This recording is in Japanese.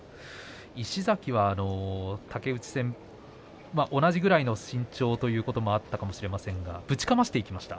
石崎は竹内戦同じぐらいの身長ということもあったかもしれませんがぶちかましていきました。